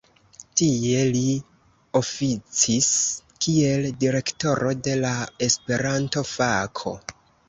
Tie li oficis kiel direktoro de la Esperanto-fako.